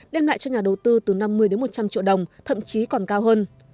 đem lại cho nhà đầu tư từ năm mươi đến một trăm linh triệu đồng thậm chí còn cao hơn